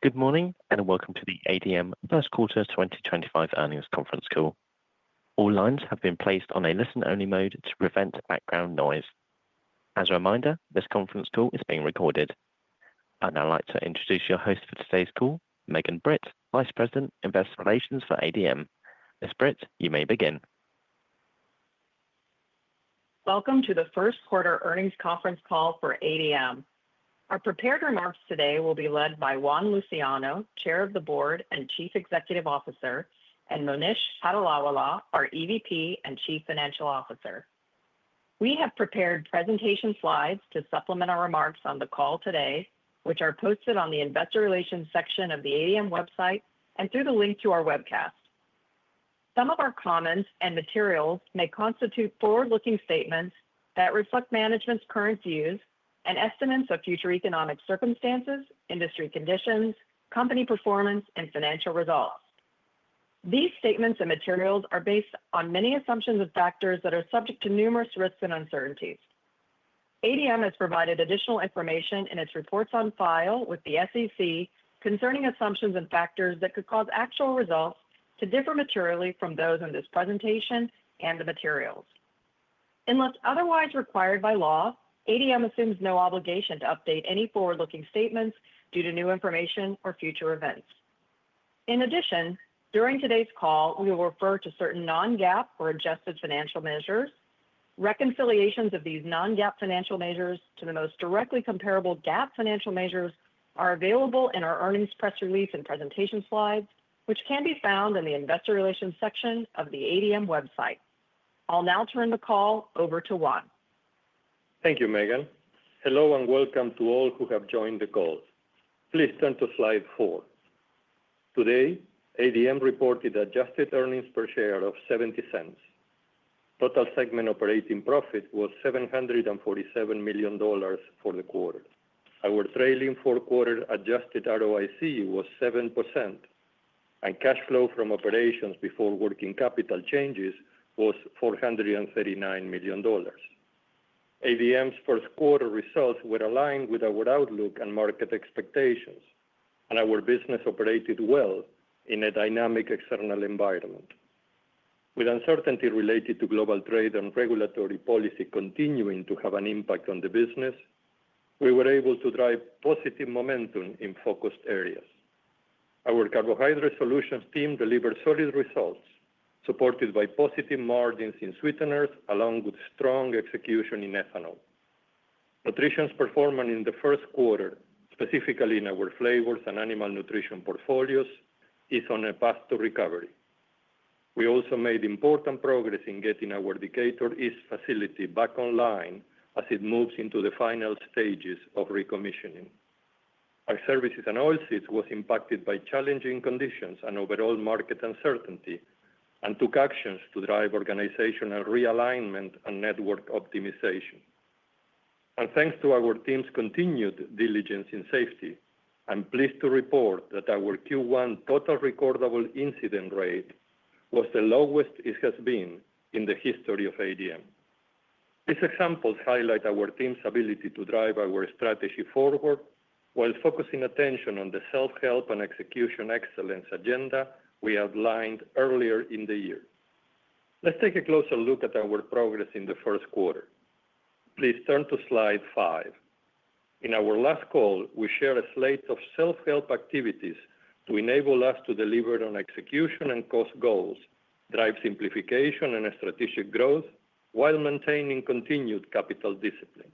Good morning and welcome to the ADM First Quarter 2025 earnings conference call. All lines have been placed on a listen-only mode to prevent background noise. As a reminder, this conference call is being recorded. I'd now like to introduce your host for today's call, Megan Britt, Vice President, Investor Relations for ADM. Ms. Britt, you may begin. Welcome to the First Quarter earnings conference call for ADM. Our prepared remarks today will be led by Juan Luciano, Chair of the Board and Chief Executive Officer, and Monish Patolawala, our EVP and Chief Financial Officer. We have prepared presentation slides to supplement our remarks on the call today, which are posted on the Investor Relations section of the ADM website and through the link to our webcast. Some of our comments and materials may constitute forward-looking statements that reflect management's current views and estimates of future economic circumstances, industry conditions, company performance, and financial results. These statements and materials are based on many assumptions and factors that are subject to numerous risks and uncertainties. ADM has provided additional information in its reports on file with the SEC concerning assumptions and factors that could cause actual results to differ materially from those in this presentation and the materials. Unless otherwise required by law, ADM assumes no obligation to update any forward-looking statements due to new information or future events. In addition, during today's call, we will refer to certain non-GAAP or adjusted financial measures. Reconciliations of these non-GAAP financial measures to the most directly comparable GAAP financial measures are available in our earnings press release and presentation slides, which can be found in the Investor Relations section of the ADM website. I'll now turn the call over to Juan. Thank you, Megan. Hello and welcome to all who have joined the call. Please turn to slide four. Today, ADM reported adjusted earnings per share of $0.70. Total segment operating profit was $747 million for the quarter. Our trailing four-quarter adjusted ROIC was 7%, and cash flow from operations before working capital changes was $439 million. ADM's first quarter results were aligned with our outlook and market expectations, and our business operated well in a dynamic external environment. With uncertainty related to global trade and regulatory policy continuing to have an impact on the business, we were able to drive positive momentum in focused areas. Our carbohydrate solutions team delivered solid results, supported by positive margins in sweeteners along with strong execution in ethanol. Nutrition's performance in the first quarter, specifically in our flavors and animal nutrition portfolios, is on a path to recovery. We also made important progress in getting our Decatur East facility back online as it moves into the final stages of recommissioning. Our Services & Oilseeds were impacted by challenging conditions and overall market uncertainty and took actions to drive organizational realignment and network optimization. Thanks to our team's continued diligence in safety, I'm pleased to report that our Q1 total recordable incident rate was the lowest it has been in the history of ADM. These examples highlight our team's ability to drive our strategy forward while focusing attention on the self-help and execution excellence agenda we outlined earlier in the year. Let's take a closer look at our progress in the first quarter. Please turn to slide five. In our last call, we shared a slate of self-help activities to enable us to deliver on execution and cost goals, drive simplification and strategic growth while maintaining continued capital discipline.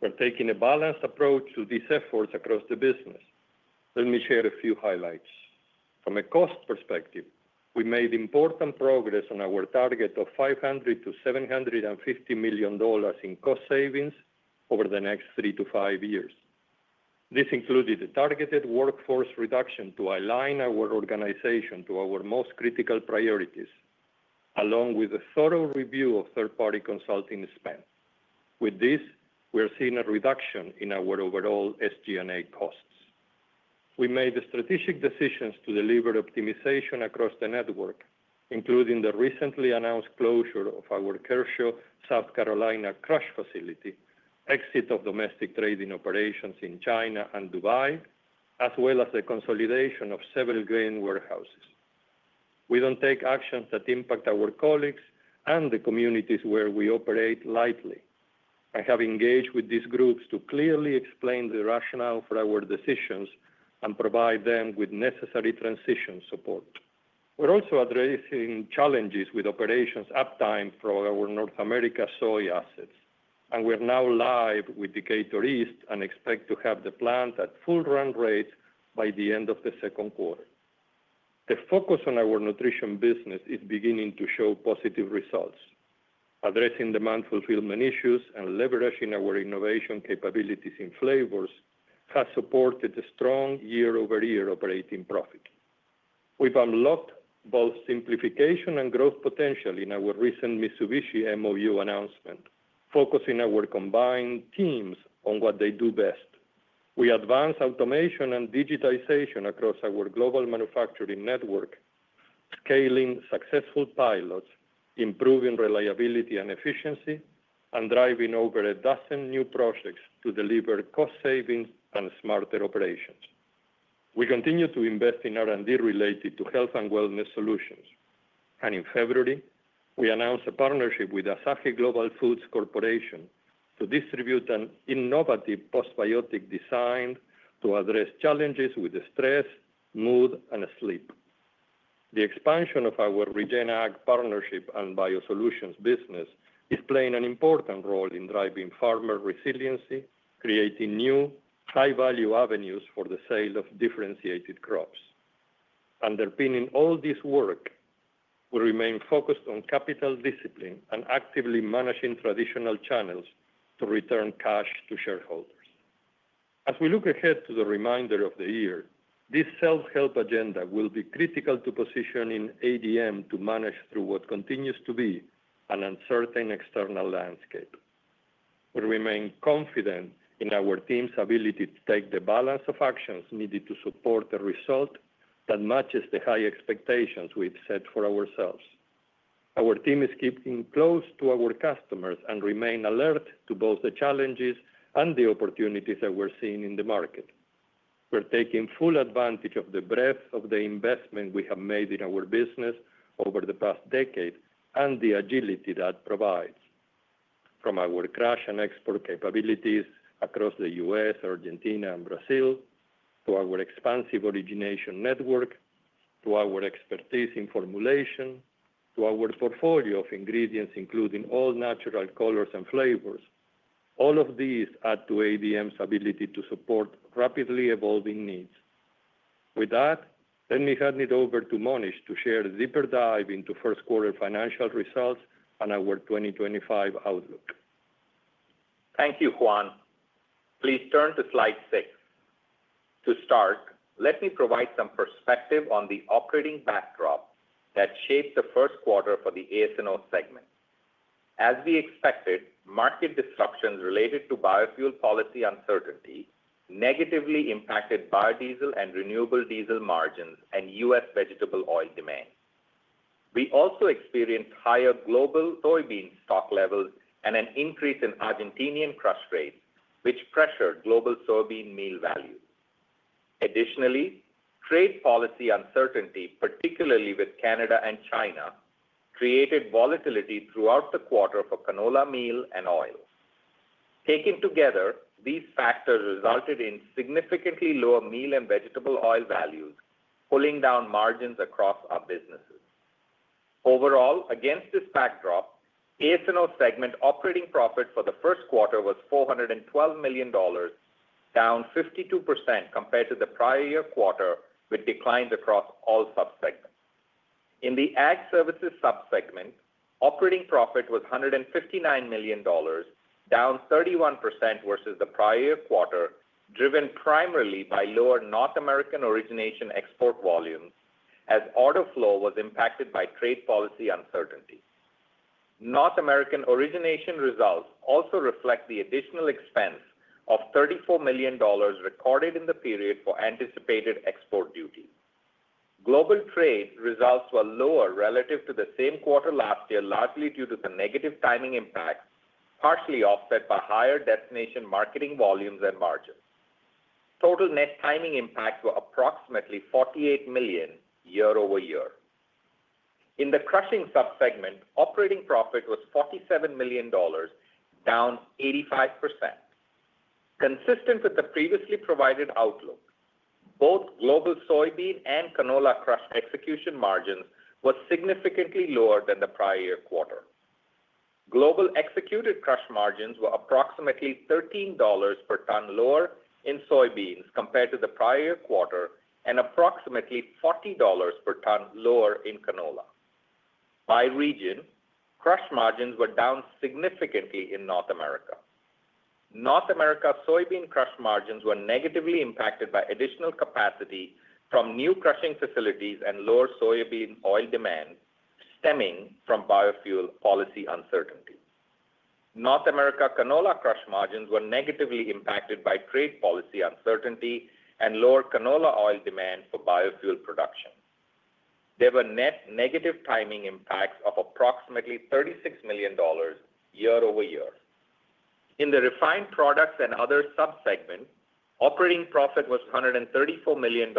We're taking a balanced approach to these efforts across the business. Let me share a few highlights. From a cost perspective, we made important progress on our target of $500 million-$750 million in cost savings over the next three to five years. This included a targeted workforce reduction to align our organization to our most critical priorities, along with a thorough review of third-party consulting spend. With this, we are seeing a reduction in our overall SG&A costs. We made the strategic decisions to deliver optimization across the network, including the recently announced closure of our Kershaw, South Carolina crush facility, exit of domestic trading operations in China and Dubai, as well as the consolidation of several grain warehouses. We do not take actions that impact our colleagues and the communities where we operate lightly. I have engaged with these groups to clearly explain the rationale for our decisions and provide them with necessary transition support. We are also addressing challenges with operations uptime for our North America soy assets, and we are now live with Decatur East and expect to have the plant at full run rates by the end of the second quarter. The focus on our nutrition business is beginning to show positive results. Addressing demand fulfillment issues and leveraging our innovation capabilities in flavors has supported a strong year-over-year operating profit. We've unlocked both simplification and growth potential in our recent Mitsubishi MOU announcement, focusing our combined teams on what they do best. We advance automation and digitization across our global manufacturing network, scaling successful pilots, improving reliability and efficiency, and driving over a dozen new projects to deliver cost savings and smarter operations. We continue to invest in R&D related to health and wellness solutions, and in February, we announced a partnership with Asahi Global Foods Corporation to distribute an innovative postbiotic designed to address challenges with stress, mood, and sleep. The expansion of our RegenAg partnership and biosolutions business is playing an important role in driving farmer resiliency, creating new high-value avenues for the sale of differentiated crops. Underpinning all this work, we remain focused on capital discipline and actively managing traditional channels to return cash to shareholders. As we look ahead to the remainder of the year, this self-help agenda will be critical to positioning ADM to manage through what continues to be an uncertain external landscape. We remain confident in our team's ability to take the balance of actions needed to support a result that matches the high expectations we've set for ourselves. Our team is keeping close to our customers and remains alert to both the challenges and the opportunities that we're seeing in the market. We're taking full advantage of the breadth of the investment we have made in our business over the past decade and the agility that provides. From our crush and export capabilities across the U.S., Argentina, and Brazil, to our expansive origination network, to our expertise in formulation, to our portfolio of ingredients including all natural colors and flavors, all of these add to ADM's ability to support rapidly evolving needs. With that, let me hand it over to Monish to share a deeper dive into first quarter financial results and our 2025 outlook. Thank you, Juan. Please turn to slide six. To start, let me provide some perspective on the operating backdrop that shaped the first quarter for the AS & Oil segment. As we expected, market disruptions related to biofuel policy uncertainty negatively impacted biodiesel and renewable diesel margins and U.S. vegetable oil demand. We also experienced higher global soybean stock levels and an increase in Argentinian crush rates, which pressured global soybean meal value. Additionally, trade policy uncertainty, particularly with Canada and China, created volatility throughout the quarter for canola meal and oil. Taken together, these factors resulted in significantly lower meal and vegetable oil values, pulling down margins across our businesses. Overall, against this backdrop, AS & Oil segment operating profit for the first quarter was $412 million, down 52% compared to the prior year quarter, with declines across all subsegments. In the ag services subsegment, operating profit was $159 million, down 31% versus the prior year quarter, driven primarily by lower North American origination export volumes as auto flow was impacted by trade policy uncertainty. North American origination results also reflect the additional expense of $34 million recorded in the period for anticipated export duties. Global trade results were lower relative to the same quarter last year, largely due to the negative timing impacts, partially offset by higher destination marketing volumes and margins. Total net timing impacts were approximately $48 million year over year. In the crushing subsegment, operating profit was $47 million, down 85%. Consistent with the previously provided outlook, both global soybean and canola crush execution margins were significantly lower than the prior year quarter. Global executed crush margins were approximately $13 per ton lower in soybeans compared to the prior year quarter and approximately $40 per ton lower in canola. By region, crush margins were down significantly in North America. North America soybean crush margins were negatively impacted by additional capacity from new crushing facilities and lower soybean oil demand stemming from biofuel policy uncertainty. North America canola crush margins were negatively impacted by trade policy uncertainty and lower canola oil demand for biofuel production. There were net negative timing impacts of approximately $36 million year over year. In the refined products and other subsegment, operating profit was $134 million,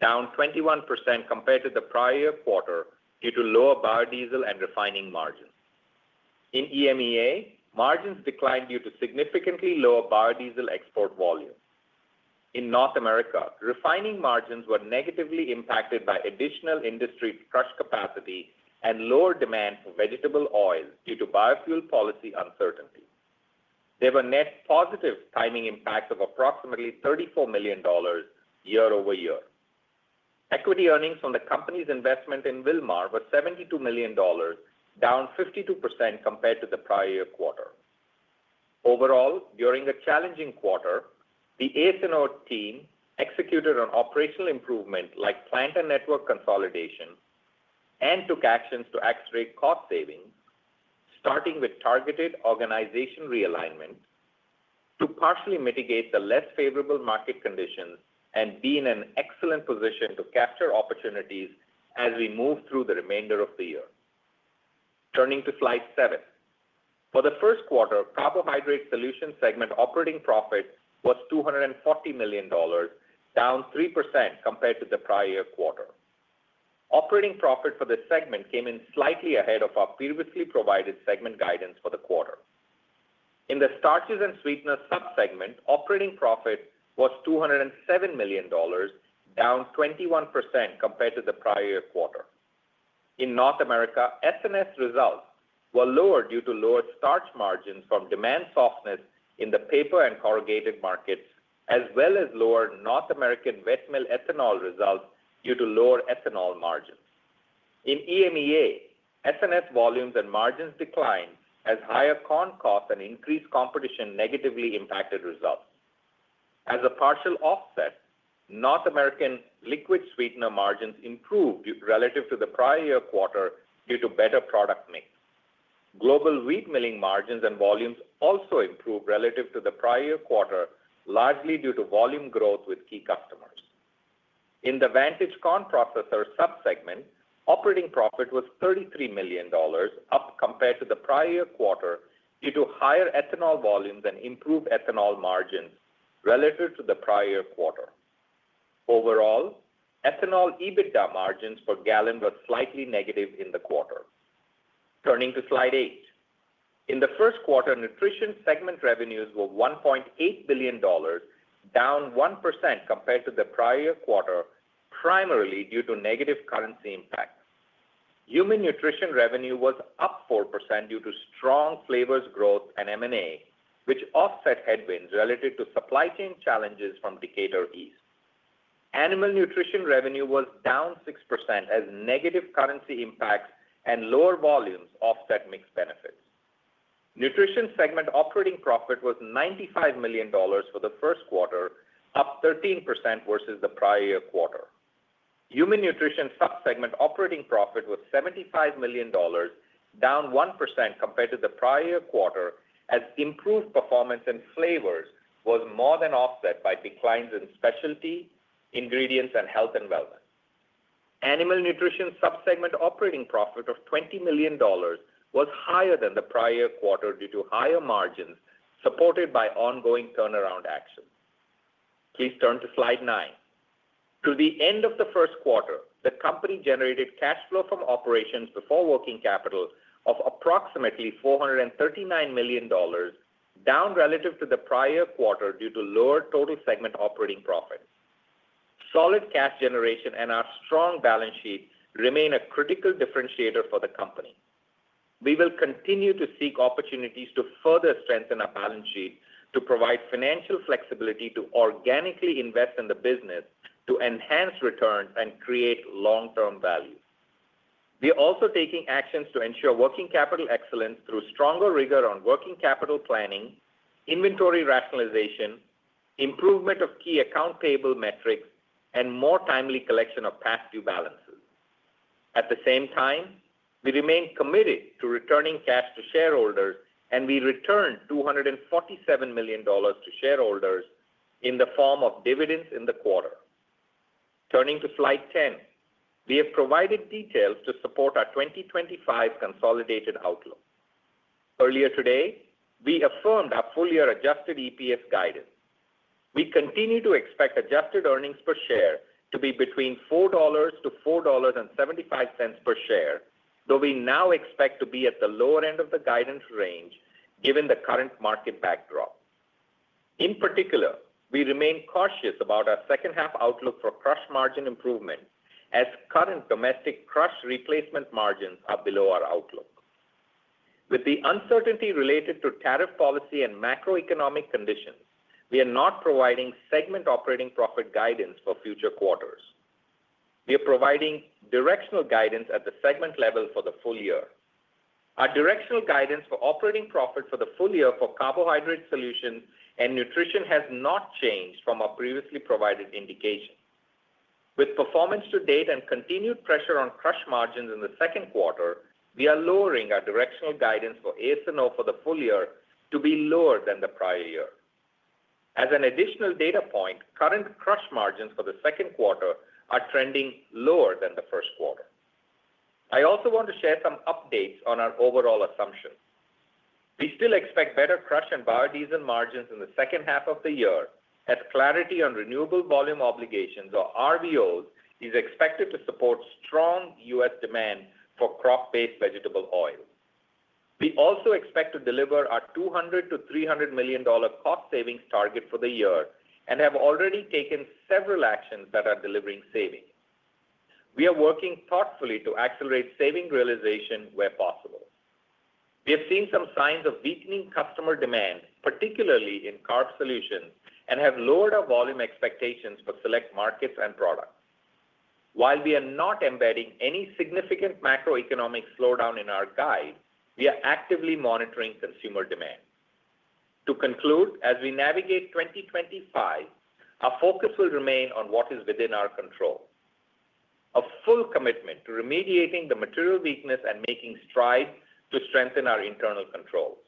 down 21% compared to the prior year quarter due to lower biodiesel and refining margins. In EMEA, margins declined due to significantly lower biodiesel export volumes. In North America, refining margins were negatively impacted by additional industry crush capacity and lower demand for vegetable oil due to biofuel policy uncertainty. There were net positive timing impacts of approximately $34 million year over year. Equity earnings from the company's investment in Wilmar were $72 million, down 52% compared to the prior year quarter. Overall, during a challenging quarter, the ASNO team executed on operational improvements like plant and network consolidation and took actions to accelerate cost savings, starting with targeted organization realignment to partially mitigate the less favorable market conditions and be in an excellent position to capture opportunities as we move through the remainder of the year. Turning to slide seven. For the first quarter, carbohydrate solution segment operating profit was $240 million, down 3% compared to the prior year quarter. Operating profit for the segment came in slightly ahead of our previously provided segment guidance for the quarter. In the starches and sweeteners subsegment, operating profit was $207 million, down 21% compared to the prior year quarter. In North America, SNS results were lower due to lower starch margins from demand softness in the paper and corrugated markets, as well as lower North American wet mill ethanol results due to lower ethanol margins. In EMEA, SNS volumes and margins declined as higher corn costs and increased competition negatively impacted results. As a partial offset, North American liquid sweetener margins improved relative to the prior year quarter due to better product mix. Global wheat milling margins and volumes also improved relative to the prior year quarter, largely due to volume growth with key customers. In the vantage corn processor subsegment, operating profit was $33 million, up compared to the prior year quarter due to higher ethanol volumes and improved ethanol margins relative to the prior year quarter. Overall, ethanol EBITDA margins per gallon were slightly negative in the quarter. Turning to slide eight. In the first quarter, Nutrition segment revenues were $1.8 billion, down 1% compared to the prior year quarter, primarily due to negative currency impact. Human Nutrition revenue was up 4% due to strong flavors growth and M&A, which offset headwinds related to supply chain challenges from Decatur East. Animal Nutrition revenue was down 6% as negative currency impacts and lower volumes offset mixed benefits. Nutrition segment operating profit was $95 million for the first quarter, up 13% versus the prior year quarter. Human nutrition subsegment operating profit was $75 million, down 1% compared to the prior year quarter as improved performance in flavors was more than offset by declines in specialty ingredients and health and wellness. Animal nutrition subsegment operating profit of $20 million was higher than the prior year quarter due to higher margins supported by ongoing turnaround actions. Please turn to slide nine. To the end of the first quarter, the company generated cash flow from operations before working capital of approximately $439 million, down relative to the prior year quarter due to lower total segment operating profits. Solid cash generation and our strong balance sheet remain a critical differentiator for the company. We will continue to seek opportunities to further strengthen our balance sheet to provide financial flexibility to organically invest in the business to enhance returns and create long-term value. We are also taking actions to ensure working capital excellence through stronger rigor on working capital planning, inventory rationalization, improvement of key accountable metrics, and more timely collection of past due balances. At the same time, we remain committed to returning cash to shareholders, and we returned $247 million to shareholders in the form of dividends in the quarter. Turning to slide 10, we have provided details to support our 2025 consolidated outlook. Earlier today, we affirmed our full-year adjusted EPS guidance. We continue to expect adjusted earnings per share to be between $4-$4.75 per share, though we now expect to be at the lower end of the guidance range given the current market backdrop. In particular, we remain cautious about our second-half outlook for crush margin improvement as current domestic crush replacement margins are below our outlook. With the uncertainty related to tariff policy and macroeconomic conditions, we are not providing segment operating profit guidance for future quarters. We are providing directional guidance at the segment level for the full year. Our directional guidance for operating profit for the full year for carbohydrate solutions and nutrition has not changed from our previously provided indication. With performance to date and continued pressure on crush margins in the second quarter, we are lowering our directional guidance for AS & O for the full year to be lower than the prior year. As an additional data point, current crush margins for the second quarter are trending lower than the first quarter. I also want to share some updates on our overall assumptions. We still expect better crush and biodiesel margins in the second half of the year as clarity on renewable volume obligations, or RVOs, is expected to support strong U.S. demand for crop-based vegetable oil. We also expect to deliver our $200 million-$300 million cost savings target for the year and have already taken several actions that are delivering savings. We are working thoughtfully to accelerate saving realization where possible. We have seen some signs of weakening customer demand, particularly in carb solutions, and have lowered our volume expectations for select markets and products. While we are not embedding any significant macroeconomic slowdown in our guide, we are actively monitoring consumer demand. To conclude, as we navigate 2025, our focus will remain on what is within our control: a full commitment to remediating the material weakness and making strides to strengthen our internal controls,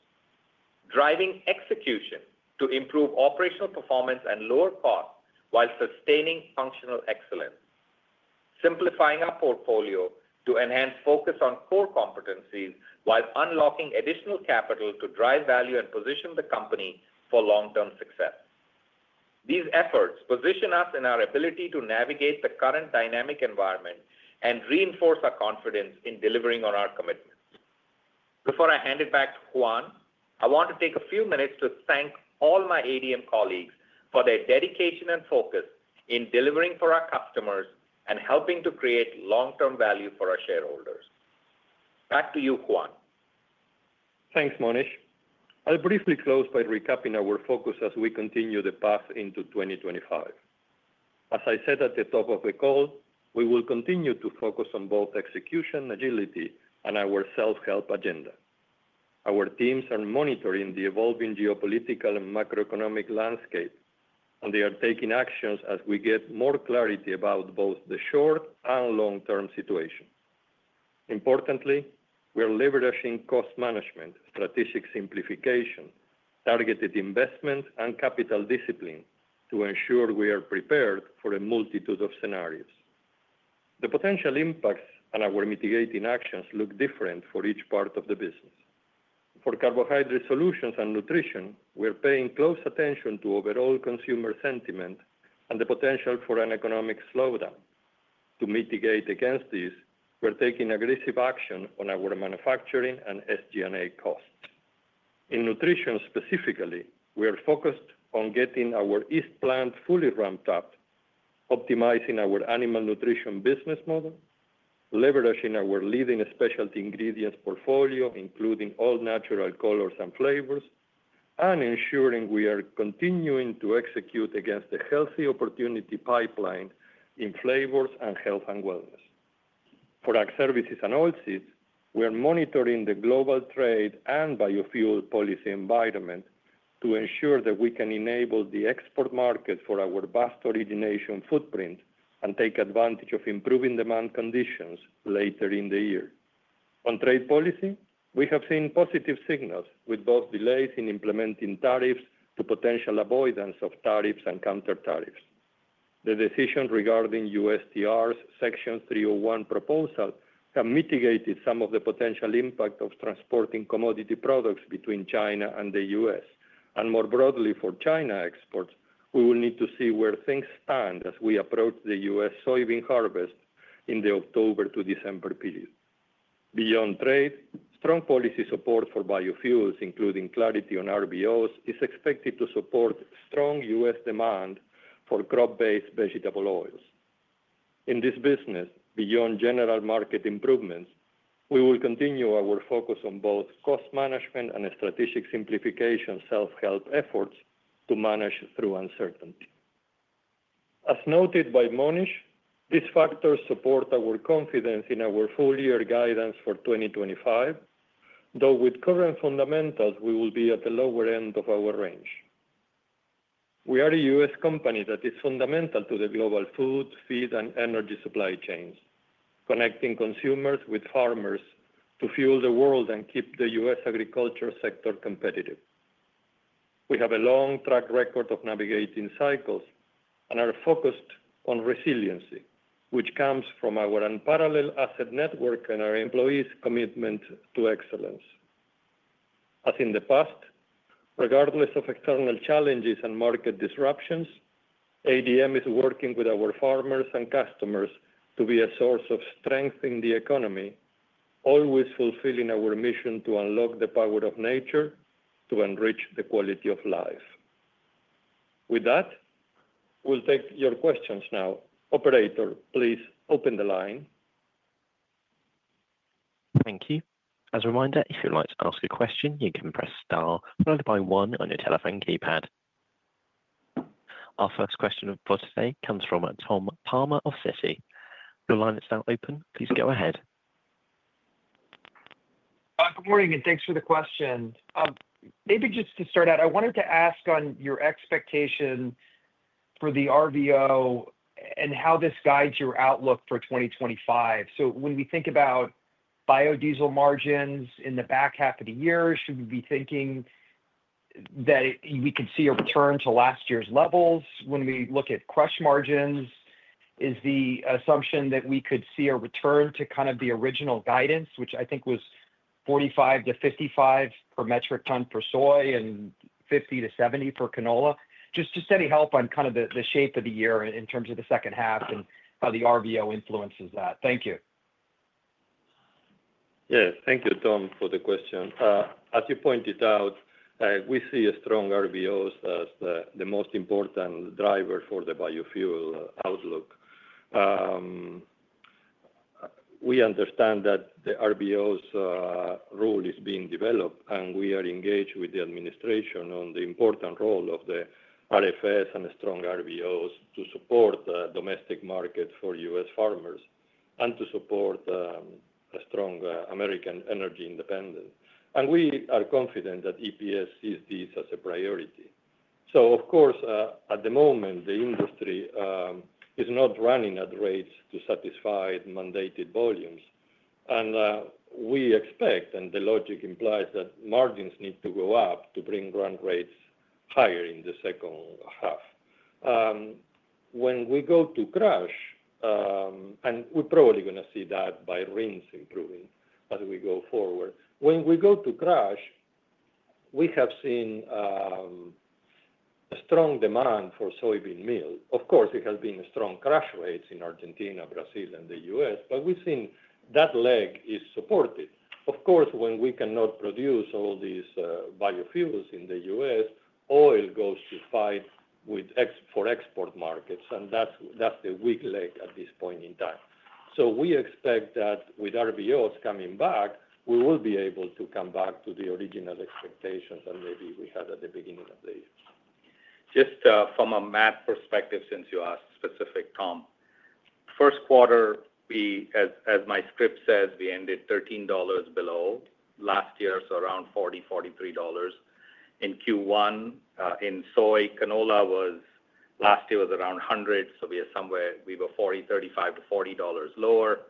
driving execution to improve operational performance and lower costs while sustaining functional excellence, simplifying our portfolio to enhance focus on core competencies while unlocking additional capital to drive value and position the company for long-term success. These efforts position us in our ability to navigate the current dynamic environment and reinforce our confidence in delivering on our commitments. Before I hand it back to Juan, I want to take a few minutes to thank all my ADM colleagues for their dedication and focus in delivering for our customers and helping to create long-term value for our shareholders. Back to you, Juan. Thanks, Monish. I'll briefly close by recapping our focus as we continue the path into 2025. As I said at the top of the call, we will continue to focus on both execution, agility, and our self-help agenda. Our teams are monitoring the evolving geopolitical and macroeconomic landscape, and they are taking actions as we get more clarity about both the short and long-term situation. Importantly, we are leveraging cost management, strategic simplification, targeted investment, and capital discipline to ensure we are prepared for a multitude of scenarios. The potential impacts and our mitigating actions look different for each part of the business. For Carbohydrate Solutions and Nutrition, we are paying close attention to overall consumer sentiment and the potential for an economic slowdown. To mitigate against this, we're taking aggressive action on our manufacturing and SG&A costs. In Nutrition specifically, we are focused on getting our Decatur East plant fully ramped up, optimizing our animal nutrition business model, leveraging our leading specialty ingredients portfolio, including all natural colors and flavors, and ensuring we are continuing to execute against the healthy opportunity pipeline in flavors and health and wellness. For Ag Services & Oilseeds, we are monitoring the global trade and biofuel policy environment to ensure that we can enable the export market for our vast origination footprint and take advantage of improving demand conditions later in the year. On trade policy, we have seen positive signals with both delays in implementing tariffs to potential avoidance of tariffs and countertariffs. The decision regarding USTR's Section 301 proposal has mitigated some of the potential impact of transporting commodity products between China and the U.S., and more broadly for China exports. We will need to see where things stand as we approach the U.S. soybean harvest in the October to December period. Beyond trade, strong policy support for biofuels, including clarity on RVOs, is expected to support strong U.S. demand for crop-based vegetable oils. In this business, beyond general market improvements, we will continue our focus on both cost management and strategic simplification self-help efforts to manage through uncertainty. As noted by Monish, these factors support our confidence in our full-year guidance for 2025, though with current fundamentals, we will be at the lower end of our range. We are a U.S. company that is fundamental to the global food, feed, and energy supply chains, connecting consumers with farmers to fuel the world and keep the U.S. agriculture sector competitive. We have a long track record of navigating cycles and are focused on resiliency, which comes from our unparalleled asset network and our employees' commitment to excellence. As in the past, regardless of external challenges and market disruptions, ADM is working with our farmers and customers to be a source of strength in the economy, always fulfilling our mission to unlock the power of nature to enrich the quality of life. With that, we'll take your questions now. Operator, please open the line. Thank you. As a reminder, if you'd like to ask a question, you can press star followed by one on your telephone keypad. Our first question for today comes from Tom Palmer of Citi. Your line is now open. Please go ahead. Good morning and thanks for the question. Maybe just to start out, I wanted to ask on your expectation for the RVO and how this guides your outlook for 2025. When we think about biodiesel margins in the back half of the year, should we be thinking that we could see a return to last year's levels? When we look at crush margins, is the assumption that we could see a return to kind of the original guidance, which I think was $45-$55 per metric ton for soy and $50-$70 for canola? Just to study help on kind of the shape of the year in terms of the second half and how the RVO influences that. Thank you. Yes, thank you, Tom, for the question. As you pointed out, we see a strong RVO as the most important driver for the biofuel outlook. We understand that the RVO's role is being developed, and we are engaged with the administration on the important role of the RFS and strong RVOs to support the domestic market for U.S. farmers and to support a strong American energy independence. We are confident that EPS sees this as a priority. At the moment, the industry is not running at rates to satisfy mandated volumes. We expect, and the logic implies, that margins need to go up to bring run rates higher in the second half. When we go to crush, and we're probably going to see that by RINs improving as we go forward. When we go to crush, we have seen strong demand for soybean meal. There have been strong crush rates in Argentina, Brazil, and the U.S., but we've seen that leg is supported. Of course, when we cannot produce all these biofuels in the U.S., oil goes to fight for export markets, and that's the weak leg at this point in time. We expect that with RVOs coming back, we will be able to come back to the original expectations that maybe we had at the beginning of the year. Just from a math perspective, since you asked specific, Tom, first quarter, as my script says, we ended $13 below last year, so around $40-$43 in Q1. In soy, canola was last year was around 100, so we were somewhere we were $35-$40 lower.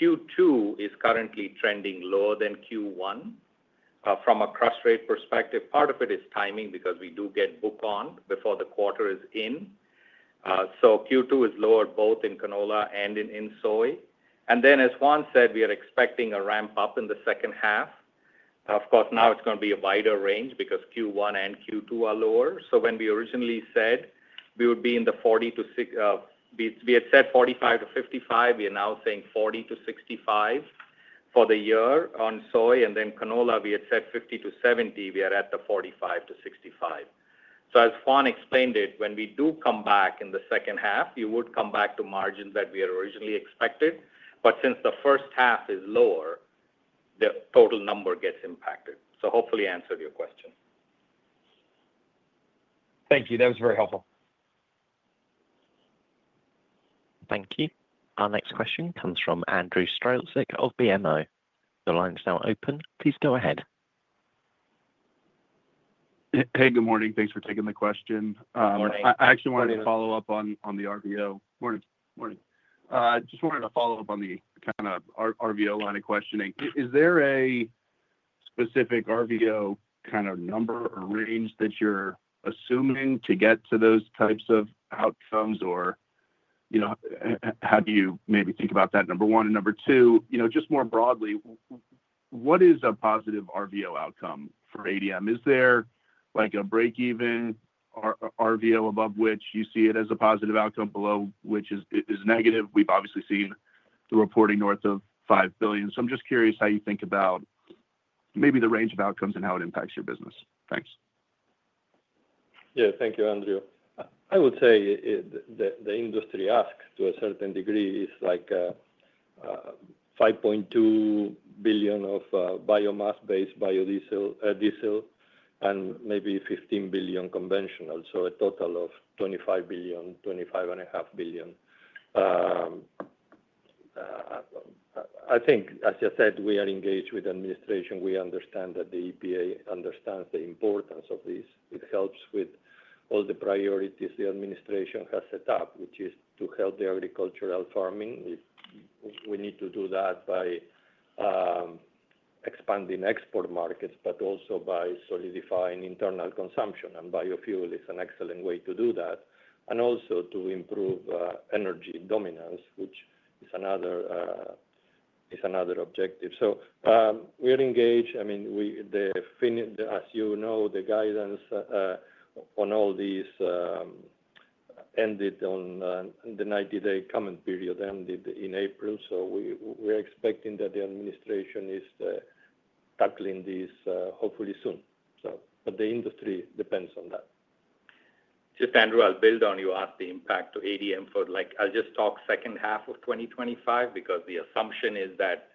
Q2 is currently trending lower than Q1. From a crush rate perspective, part of it is timing because we do get book on before the quarter is in. Q2 is lower both in canola and in soy. As Juan said, we are expecting a ramp up in the second half. Of course, now it's going to be a wider range because Q1 and Q2 are lower. When we originally said we would be in the 40 to, we had said 45-55, we are now saying 40-65 for the year on soy. Canola, we had said 50-70, we are at the 45-65. As Juan explained it, when we do come back in the second half, we would come back to margins that we had originally expected. Since the first half is lower, the total number gets impacted. Hopefully answered your question. Thank you. That was very helpful. Thank you. Our next question comes from Andrew Strelzik of BMO. The line is now open. Please go ahead. Hey, good morning. Thanks for taking the question. Good morning. I actually wanted to follow up on the RVO. Morning. Morning. Just wanted to follow up on the kind of RVO line of questioning. Is there a specific RVO kind of number or range that you're assuming to get to those types of outcomes, or how do you maybe think about that? Number one. And number two, just more broadly, what is a positive RVO outcome for ADM? Is there a break-even RVO above which you see it as a positive outcome, below which is negative? We've obviously seen the reporting north of $5 billion. So I'm just curious how you think about maybe the range of outcomes and how it impacts your business. Thanks. Yeah, thank you, Andrew. I would say the industry asks to a certain degree is like $5.2 billion of biomass-based diesel and maybe $15 billion conventional, so a total of $25 billion, $25.5 billion. I think, as I said, we are engaged with the administration. We understand that the EPA understands the importance of this. It helps with all the priorities the administration has set up, which is to help the agricultural farming. We need to do that by expanding export markets, but also by solidifying internal consumption. Biofuel is an excellent way to do that and also to improve energy dominance, which is another objective. We are engaged. I mean, as you know, the guidance on all these ended on the 90-day comment period ended in April. We are expecting that the administration is tackling this hopefully soon. The industry depends on that. Just Andrew, I'll build on you asked the impact to ADM for I'll just talk second half of 2025 because the assumption is that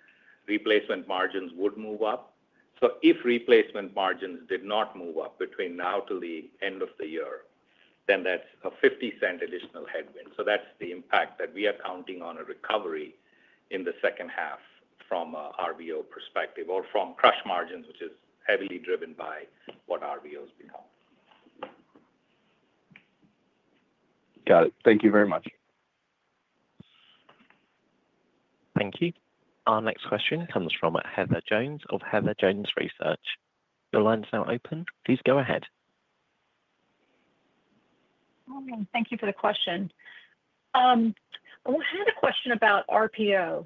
replacement margins would move up. If replacement margins did not move up between now to the end of the year, then that's a $0.50 additional headwind. That's the impact that we are counting on a recovery in the second half from an RVO perspective or from crush margins, which is heavily driven by what RVOs become. Got it. Thank you very much. Thank you. Our next question comes from Heather Jones of Heather Jones Research. Your line is now open. Please go ahead. Thank you for the question. I had a question about RPO.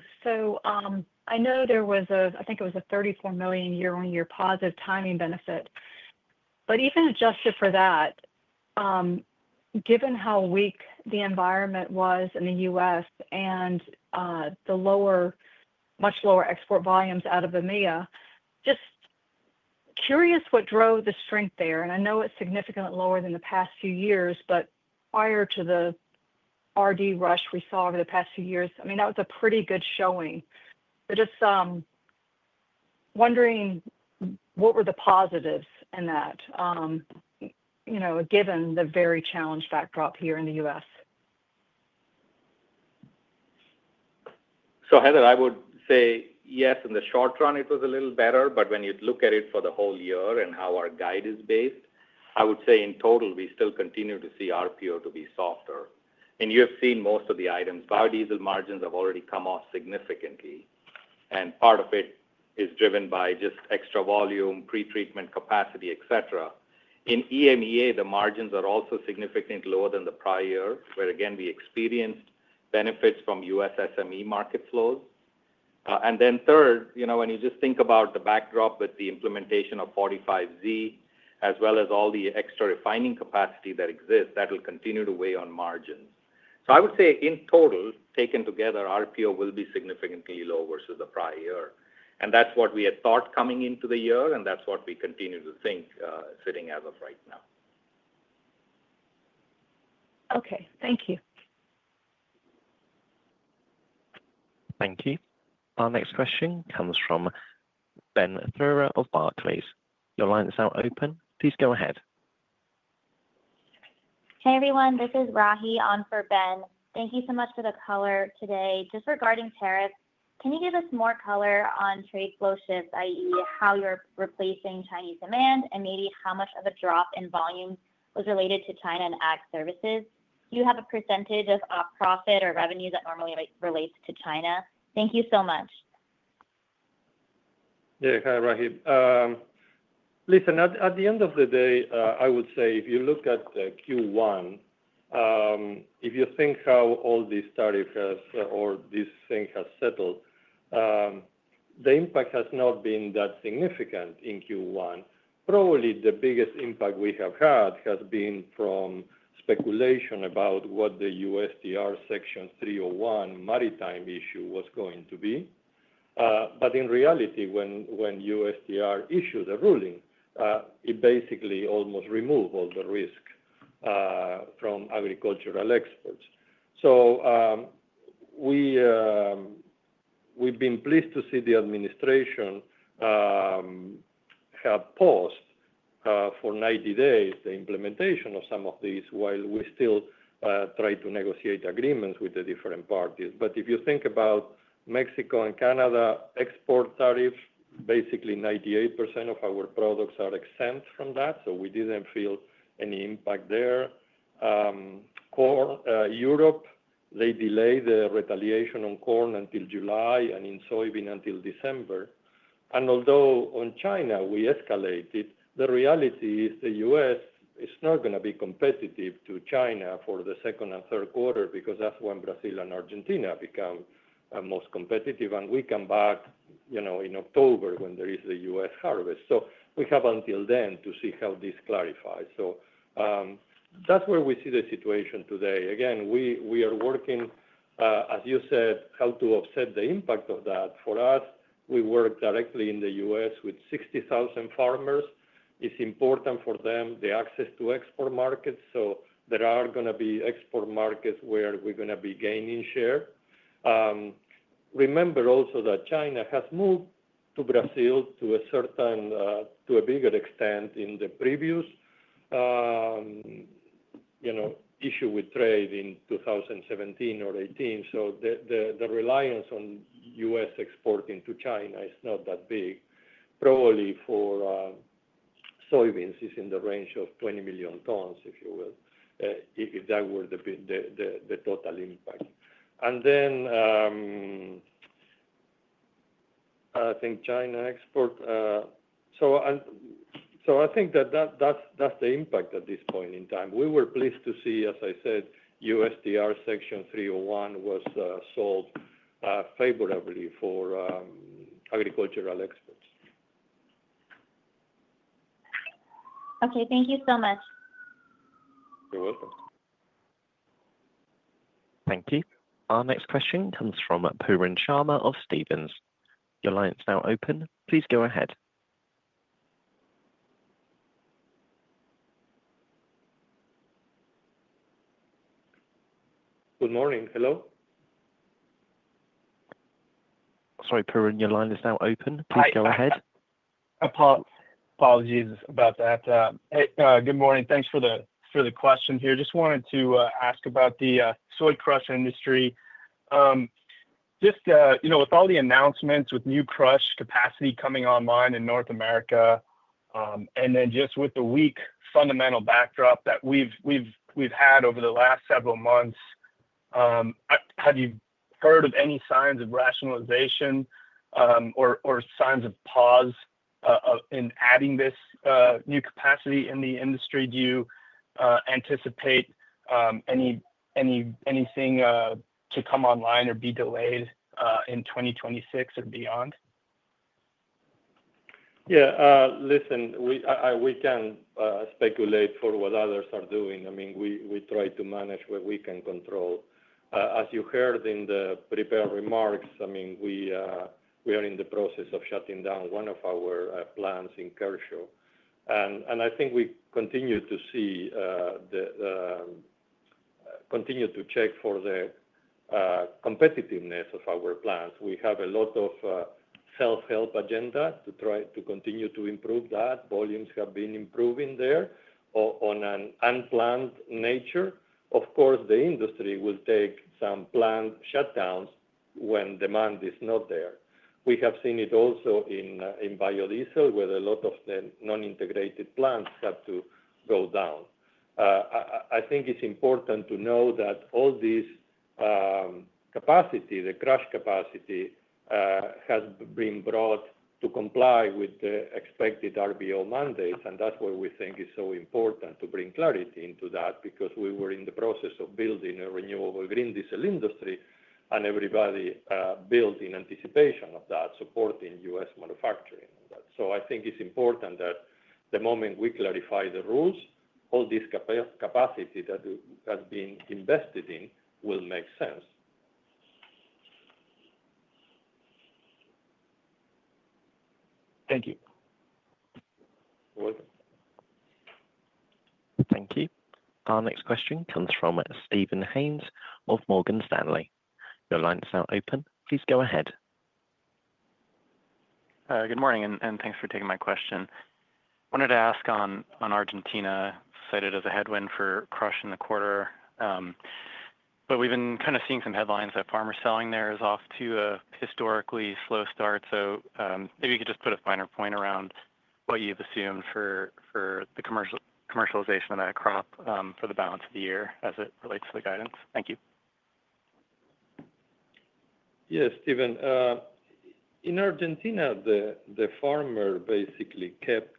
I know there was a I think it was a $34 million year-on-year positive timing benefit. Even adjusted for that, given how weak the environment was in the U.S. and the much lower export volumes out of EMEA, just curious what drove the strength there. I know it's significantly lower than the past few years, but prior to the RD rush we saw over the past few years, I mean, that was a pretty good showing. Just wondering what were the positives in that, given the very challenged backdrop here in the U.S.? Heather, I would say yes, in the short run, it was a little better. When you look at it for the whole year and how our guide is based, I would say in total, we still continue to see RPO to be softer. You have seen most of the items. Biodiesel margins have already come off significantly. Part of it is driven by just extra volume, pretreatment capacity, etc. In EMEA, the margins are also significantly lower than the prior year, where again, we experienced benefits from US SME market flows. When you just think about the backdrop with the implementation of 45Z, as well as all the extra refining capacity that exists, that will continue to weigh on margins. I would say in total, taken together, RPO will be significantly lower versus the prior year. That is what we had thought coming into the year, and that is what we continue to think sitting as of right now. Okay. Thank you. Thank you. Our next question comes from Ben Thurro of Barclays. Your line is now open. Please go ahead. Hey, everyone. This is Rahi on for Ben. Thank you so much for the color today. Just regarding tariffs, can you give us more color on trade flow shifts, i.e., how you're replacing Chinese demand and maybe how much of a drop in volume was related to China and ag services? Do you have a percentage of profit or revenue that normally relates to China? Thank you so much. Yeah. Hi, Rahi. Listen, at the end of the day, I would say if you look at Q1, if you think how all these tariffs or this thing has settled, the impact has not been that significant in Q1. Probably the biggest impact we have had has been from speculation about what the USTR Section 301 maritime issue was going to be. In reality, when USTR issued the ruling, it basically almost removed all the risk from agricultural exports. We have been pleased to see the administration have paused for 90 days the implementation of some of these while we still try to negotiate agreements with the different parties. If you think about Mexico and Canada export tariffs, basically 98% of our products are exempt from that, so we did not feel any impact there. Corn, Europe, they delayed the retaliation on corn until July and in soybean until December. Although on China we escalated, the reality is the U.S. is not going to be competitive to China for the second and third quarter because that is when Brazil and Argentina become most competitive. We come back in October when there is the U.S. harvest. We have until then to see how this clarifies. That is where we see the situation today. Again, we are working, as you said, how to offset the impact of that. For us, we work directly in the U.S. with 60,000 farmers. It's important for them, the access to export markets. There are going to be export markets where we're going to be gaining share. Remember also that China has moved to Brazil to a certain, to a bigger extent in the previous issue with trade in 2017 or 2018. The reliance on U.S. exporting to China is not that big. Probably for soybeans, it's in the range of 20 million tons, if you will, if that were the total impact. I think China export. I think that that's the impact at this point in time. We were pleased to see, as I said, USTR Section 301 was solved favorably for agricultural exports. Okay. Thank you so much. You're welcome. Thank you. Our next question comes from Pooran Sharma of Stephens. Your line is now open. Please go ahead. Good morning. Hello? Sorry, Pooran, your line is now open. Please go ahead. Apologies about that. Good morning. Thanks for the question here. Just wanted to ask about the soy crush industry. Just with all the announcements with new crush capacity coming online in North America and then just with the weak fundamental backdrop that we've had over the last several months, have you heard of any signs of rationalization or signs of pause in adding this new capacity in the industry? Do you anticipate anything to come online or be delayed in 2026 and beyond? Yeah. Listen, we can speculate for what others are doing. I mean, we try to manage what we can control. As you heard in the prepared remarks, I mean, we are in the process of shutting down one of our plants in Kershaw. I think we continue to check for the competitiveness of our plants. We have a lot of self-help agenda to try to continue to improve that. Volumes have been improving there on an unplanned nature. Of course, the industry will take some planned shutdowns when demand is not there. We have seen it also in biodiesel where a lot of the non-integrated plants have to go down. I think it's important to know that all this capacity, the crush capacity, has been brought to comply with the expected RVO mandates. That's why we think it's so important to bring clarity into that because we were in the process of building a renewable green diesel industry and everybody built in anticipation of that, supporting U.S. manufacturing. I think it's important that the moment we clarify the rules, all this capacity that has been invested in will make sense. Thank you. Thank you. Our next question comes from Steven Haynes of Morgan Stanley. Your line is now open. Please go ahead. Good morning. And thanks for taking my question. I wanted to ask on Argentina cited as a headwind for crush in the quarter. But we've been kind of seeing some headlines that farmer selling there is off to a historically slow start. So maybe you could just put a finer point around what you've assumed for the commercialization of that crop for the balance of the year as it relates to the guidance. Thank you. Yes, Steven. In Argentina, the farmer basically kept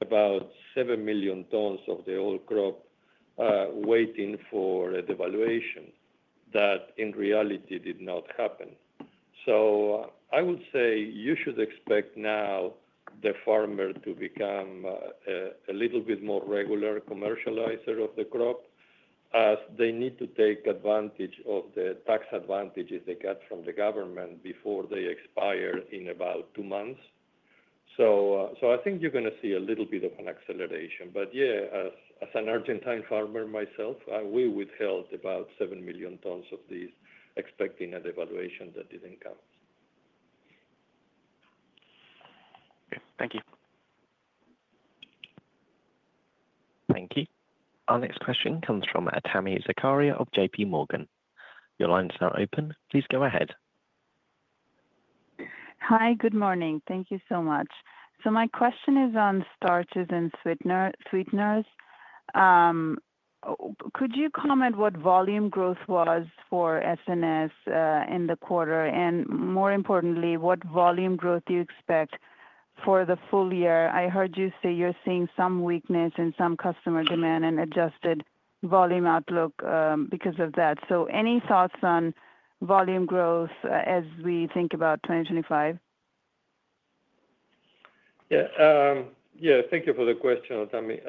about 7 million tons of the old crop waiting for a devaluation that in reality did not happen. I would say you should expect now the farmer to become a little bit more regular commercializer of the crop as they need to take advantage of the tax advantages they got from the government before they expire in about two months. I think you're going to see a little bit of an acceleration. Yeah, as an Argentine farmer myself, we withheld about 7 million tons of these expecting a devaluation that didn't come. Thank you. Thank you. Our next question comes from Tami Zakaria of JPMorgan. Your line is now open. Please go ahead. Hi, good morning. Thank you so much. My question is on starches and sweeteners. Could you comment what volume growth was for SNS in the quarter? More importantly, what volume growth do you expect for the full year? I heard you say you're seeing some weakness in some customer demand and adjusted volume outlook because of that. Any thoughts on volume growth as we think about 2025? Yeah. Yeah. Thank you for the question, Tami.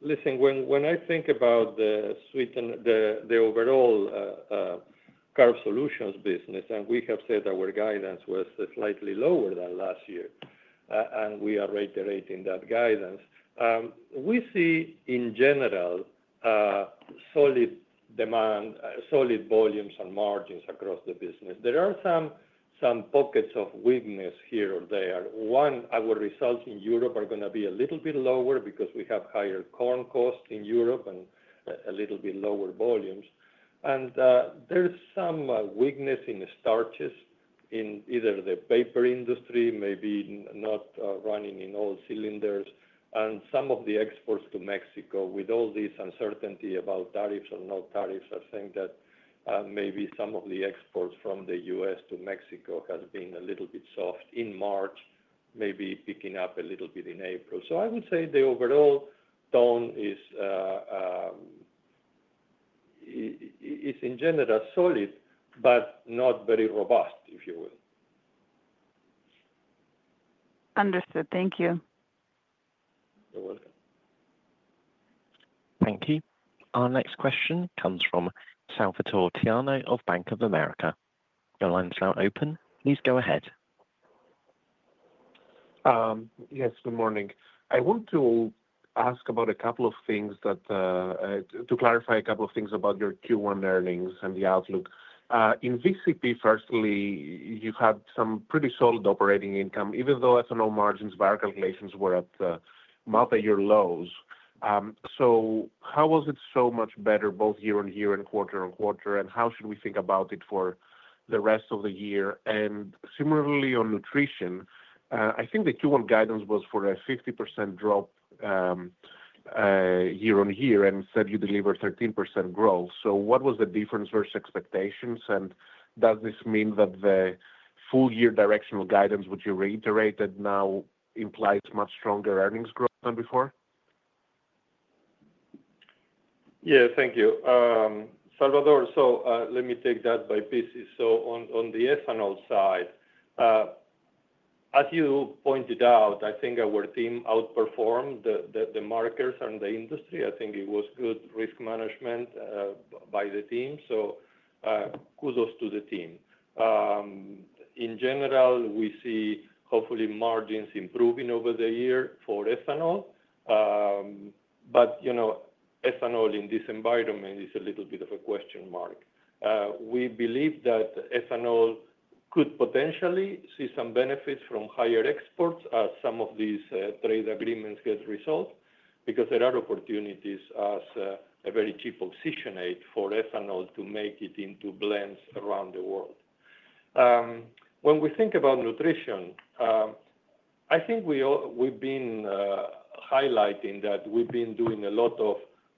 Listen, when I think about the sweetener, the overall carb solutions business, and we have said our guidance was slightly lower than last year, and we are reiterating that guidance, we see in general solid demand, solid volumes, and margins across the business. There are some pockets of weakness here or there. One, our results in Europe are going to be a little bit lower because we have higher corn costs in Europe and a little bit lower volumes. There's some weakness in starches in either the paper industry, maybe not running in all cylinders, and some of the exports to Mexico. With all this uncertainty about tariffs or no tariffs, I think that maybe some of the exports from the U.S. to Mexico has been a little bit soft in March, maybe picking up a little bit in April. I would say the overall tone is in general solid but not very robust, if you will. Understood. Thank you. You're welcome. Thank you. Our next question comes from Salvator Tiano of Bank of America. Your line is now open. Please go ahead. Yes, good morning. I want to ask about a couple of things that to clarify a couple of things about your Q1 earnings and the outlook. In VCP, firstly, you had some pretty solid operating income, even though ethanol margins, bar calculations were at multi-year lows. How was it so much better both year on year and quarter on quarter? How should we think about it for the rest of the year? Similarly on nutrition, I think the Q1 guidance was for a 50% drop year on year and said you delivered 13% growth. What was the difference versus expectations? Does this mean that the full-year directional guidance, which you reiterated now, implies much stronger earnings growth than before? Thank you. Salvator, let me take that by pieces. On the ethanol side, as you pointed out, I think our team outperformed the markers and the industry. I think it was good risk management by the team. Kudos to the team. In general, we see hopefully margins improving over the year for ethanol. Ethanol in this environment is a little bit of a question mark. We believe that ethanol could potentially see some benefits from higher exports as some of these trade agreements get resolved because there are opportunities as a very cheap oxygenate for ethanol to make it into blends around the world. When we think about nutrition, I think we've been highlighting that we've been doing a lot of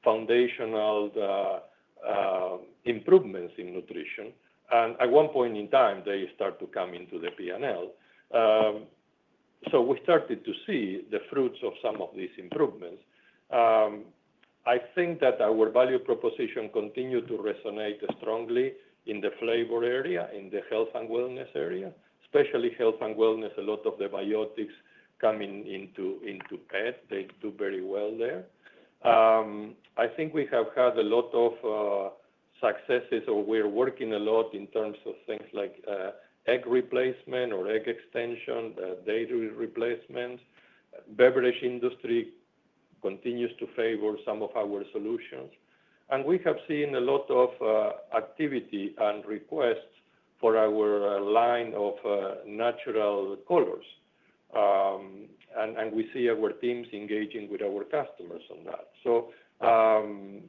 foundational improvements in nutrition. At one point in time, they start to come into the P&L. We started to see the fruits of some of these improvements. I think that our value proposition continued to resonate strongly in the flavor area, in the health and wellness area, especially health and wellness. A lot of the biotics coming into pet, they do very well there. I think we have had a lot of successes or we're working a lot in terms of things like egg replacement or egg extension, dairy replacements. Beverage industry continues to favor some of our solutions. We have seen a lot of activity and requests for our line of natural colors. We see our teams engaging with our customers on that.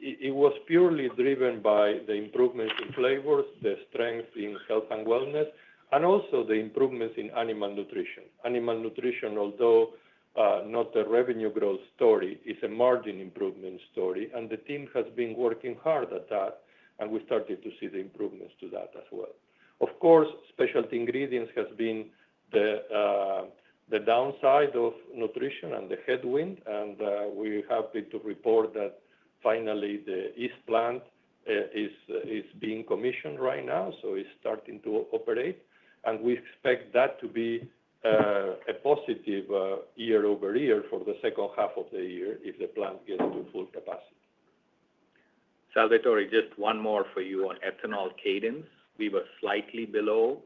It was purely driven by the improvements in flavors, the strength in health and wellness, and also the improvements in animal nutrition. Animal nutrition, although not a revenue growth story, is a margin improvement story. The team has been working hard at that. We started to see the improvements to that as well. Of course, specialty ingredients has been the downside of nutrition and the headwind. We are happy to report that finally the Decatur East plant is being commissioned right now. It is starting to operate. We expect that to be a positive year over year for the second half of the year if the plant gets to full capacity. Salvator, just one more for you on ethanol cadence. We were slightly below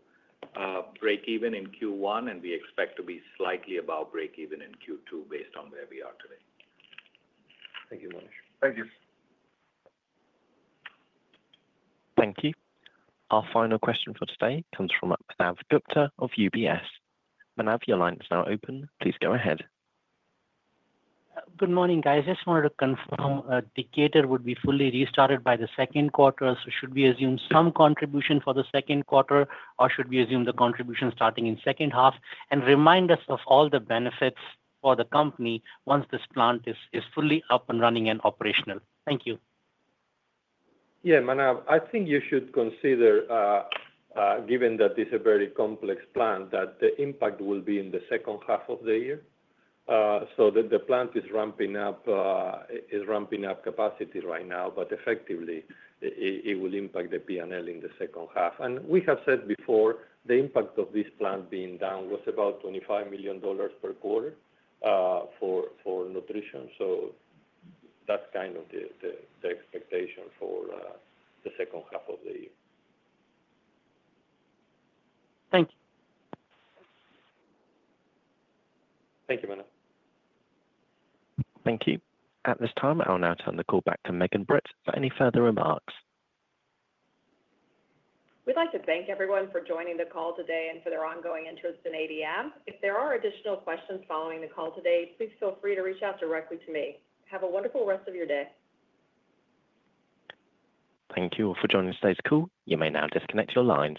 breakeven in Q1, and we expect to be slightly above breakeven in Q2 based on where we are today. Thank you Monish. Thank you. Thank you. Our final question for today comes from Manav Gupta of UBS. Manav, your line is now open. Please go ahead. Good morning, guys. Just wanted to confirm the Decatur would be fully restarted by the second quarter. Should we assume some contribution for the second quarter, or should we assume the contribution starting in second half and remind us of all the benefits for the company once this plant is fully up and running and operational? Thank you. Yeah, Manav, I think you should consider, given that this is a very complex plant, that the impact will be in the second half of the year. The plant is ramping up capacity right now, but effectively, it will impact the P&L in the second half. We have said before the impact of this plant being down was about $25 million per quarter for nutrition. That is kind of the expectation for the second half of the year. Thank you. Thank you, Manav. Thank you. At this time, I will now turn the call back to Megan Britt. Any further remarks? We would like to thank everyone for joining the call today and for their ongoing interest in ADM. If there are additional questions following the call today, please feel free to reach out directly to me. Have a wonderful rest of your day. Thank you. For joining today's call, you may now disconnect your lines.